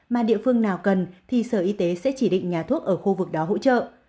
mà địa phương nào cần thì sở y tế sẽ chỉ định nhà thuốc ở khu vực đó hỗ trợ